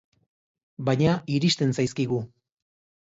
Baina, iristen zaizkigu.